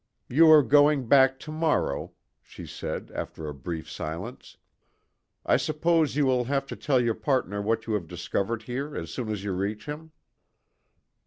"You are going back to morrow," she said after a brief silence. "I suppose you will have to tell your partner what you have discovered here as soon as you reach him?"